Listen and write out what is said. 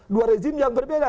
dua rezim yang berbeda